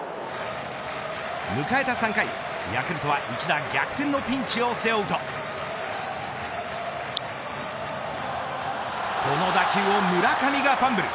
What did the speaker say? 迎えた３回、ヤクルトは一打逆転のピンチを背負うとこの打球を村上がファンブル。